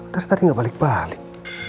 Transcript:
kan tadi gak balik balik